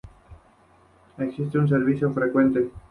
Existe un servicio frecuente.